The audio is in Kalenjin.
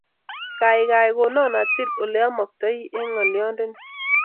Kaikai konon atil oleamaktoi eng' ng'alyondoni.